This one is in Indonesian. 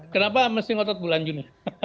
kenapa mesti ngotot bulan juni